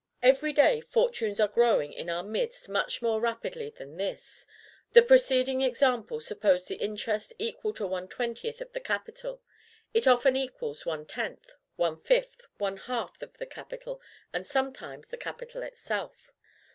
Every day, fortunes are growing in our midst much more rapidly than this. The preceding example supposed the interest equal to one twentieth of the capital, it often equals one tenth, one fifth, one half of the capital; and sometimes the capital itself.